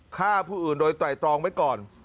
ฆ่าผู้อื่นโดยไตรตรองไว้ก่อน